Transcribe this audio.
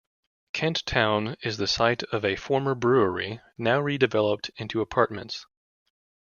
Kent Town is the site of a former brewery, now redeveloped into apartments.